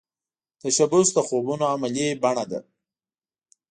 تشبث د خوبونو عملې بڼه ده